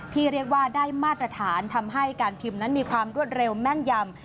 ที่เรียกว่าได้มาตรฐานทำให้การพิมพ์นั้นมีความรวดเร็วแม่นยำ